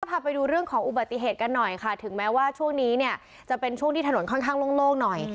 พาไปดูเรื่องของอุบัติเหตุกันหน่อยค่ะถึงแม้ว่าช่วงนี้เนี่ยจะเป็นช่วงที่ถนนค่อนข้างโล่งหน่อย